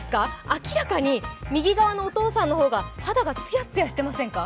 明らかに右側のお父さんの方が肌がつやつやしてませんか？